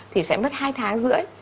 thì sẽ mất hai tháng rưỡi